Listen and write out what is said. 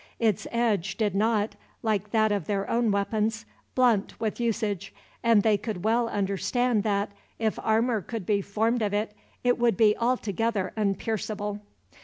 Its edge did not, like that of their own weapons, blunt with usage, and they could well understand that, if armor could be formed of it, it would be altogether unpierceable.